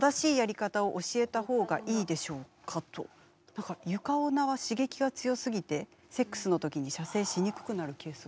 何か床オナは刺激が強すぎてセックスの時に射精しにくくなるケースが。